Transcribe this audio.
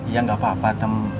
ya gak apa apa atem